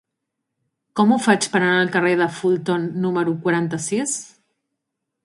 Com ho faig per anar al carrer de Fulton número quaranta-sis?